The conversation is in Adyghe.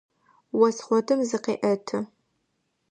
Ос хъотым зыкъеӏэты.